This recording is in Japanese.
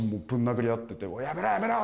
「おいやめろやめろ！」